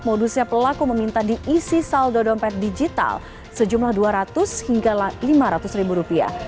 modusnya pelaku meminta diisi saldo dompet digital sejumlah dua ratus hingga lima ratus ribu rupiah